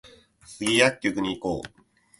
スギ薬局に行こう